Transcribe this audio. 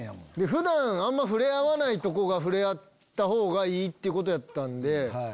普段触れ合わないとこが触れ合ったほうがいいっていうことやったんで。